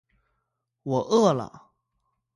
我饿了